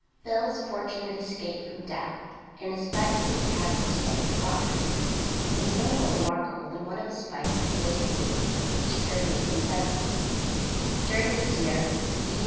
Bill's fortunate escape from death in his fight with the McCandlas gang at Rock Creek was no more remarkable than one of his fights at Hays City which occurred in 1870. During this year, the 7th U.